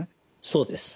そうです。